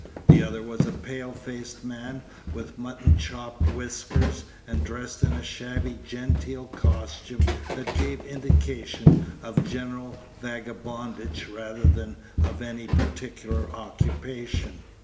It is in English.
The other was a pale faced man, with mutton chop whiskers, and dressed in a shabby genteel costume that gave indication of general vagabondage rather than of any particular occupation.